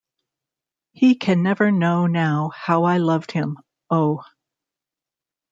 He can never know now how I loved him — oh!